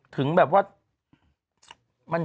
ถึงแบบว่า